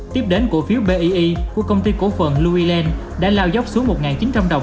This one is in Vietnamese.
tiếp đến cổ phiếu pii của công ty cổ phận louis land đã lao dốc xuống một chín trăm linh đồng